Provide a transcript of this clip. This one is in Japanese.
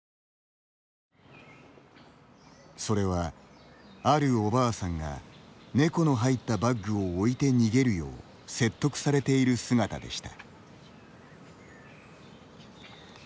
それは、あるおばあさんが猫の入ったバッグを置いて逃げるよう説得されている姿でした。